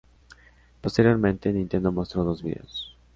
Posteriormente, Nintendo mostró dos vídeos.